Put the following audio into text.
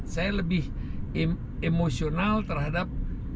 saya lebih emosional terhadap